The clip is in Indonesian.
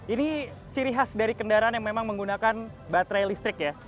ini ciri khas dari kendaraan yang memang menggunakan baterai listrik ya